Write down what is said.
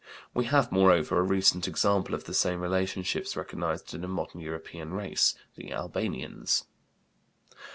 We have, moreover, a recent example of the same relationships recognized in a modern European race the Albanians.